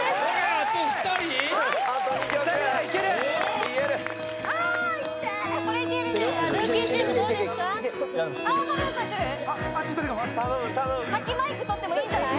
あっち２人が先マイク取ってもいいんじゃない？